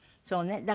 そうね。